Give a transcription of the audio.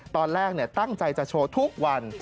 ตอนแรกตั้งใจจะโชว์ทุกวัน